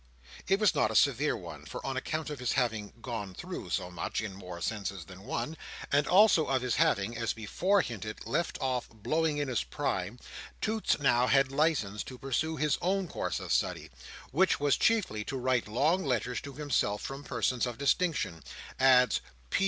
It was not a severe one; for on account of his having "gone through" so much (in more senses than one), and also of his having, as before hinted, left off blowing in his prime, Toots now had licence to pursue his own course of study: which was chiefly to write long letters to himself from persons of distinction, adds "P.